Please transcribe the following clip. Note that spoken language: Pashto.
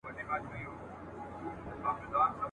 ایوب خان ویلي وه چي ښه وایي.